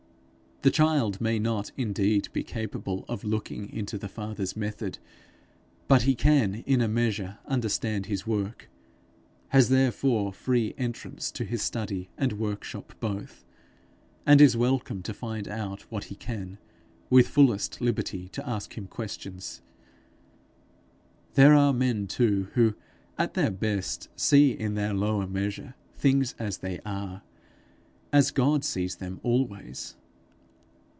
The child may not indeed be capable of looking into the father's method, but he can in a measure understand his work, has therefore free entrance to his study and workshop both, and is welcome to find out what he can, with fullest liberty to ask him questions. There are men too, who, at their best, see, in their lower measure, things as they are as God sees them always.